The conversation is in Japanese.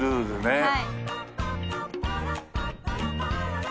はい。